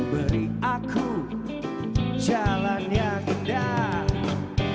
beri aku jalan yang kendal